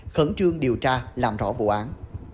khẩn trương điều tra làm rõ vụ án